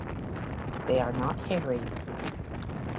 They are not hairy.